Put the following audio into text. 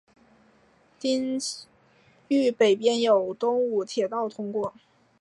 町域北边有东武铁道通过。